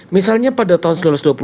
misalnya pada tahun